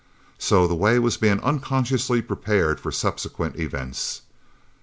So the way was being unconsciously prepared for subsequent events.